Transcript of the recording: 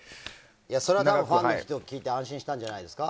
それを、ファンの人は聞いて安心したんじゃないですか。